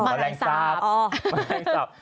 แมลงซาบ